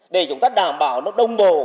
để chúng ta đảm bảo nó đông đồ